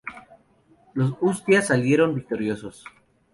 Los husitas salieron victoriosos.